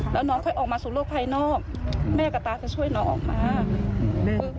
แล้วน้องค่อยออกมาสู่โลกภายนอกแม่กับตาจะช่วยน้องออกมา